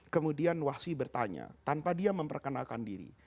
kemudian wahsyi bertanya tanpa dia memperkenalkan diri